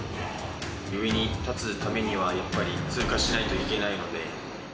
上に立つためにはやっぱり通過しないといけないので。